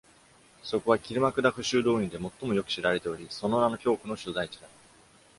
そこはキルマクダフ修道院で最もよく知られており、その名の教区の所在地だ。